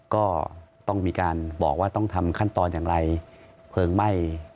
ก็ต้องมีการบอกว่าต้องทำขั้นตอนอย่างไรเพลิงไหม้